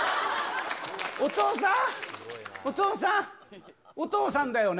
お父さん、お父さん、お父さんだよね？